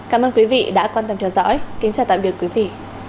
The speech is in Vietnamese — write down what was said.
xin chào và hẹn gặp lại